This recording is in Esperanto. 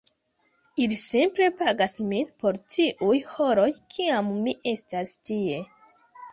Ili simple pagas min por tiuj horoj kiam mi estas tie.